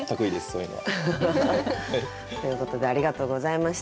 そういうのは。ということでありがとうございました。